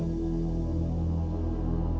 lalu dia pergi